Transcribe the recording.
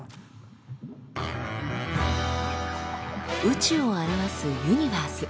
宇宙を表す「ユニバース」。